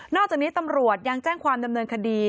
จากนี้ตำรวจยังแจ้งความดำเนินคดี